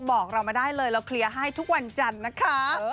บอกเรามาได้เลยเราเคลียร์ให้ทุกวันจันทร์นะคะ